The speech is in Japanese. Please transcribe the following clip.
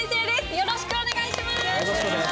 よろしくお願いします。